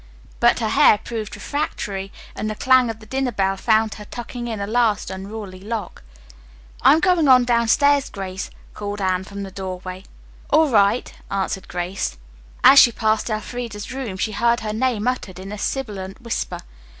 But her hair proved refractory and the clang of the dinner bell found her tucking in a last unruly lock. "I'm going on downstairs, Grace," called Anne from the doorway. "All right," answered Grace. As she passed Elfreda's room she heard her name uttered in a sibilant whisper.